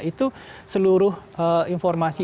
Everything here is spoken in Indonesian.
itu seluruh informasi